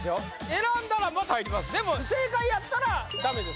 選んだらまた入りますでも正解やったらダメですよ